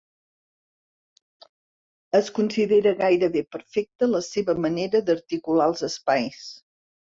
Es considera gairebé perfecta la seva manera d'articular els espais.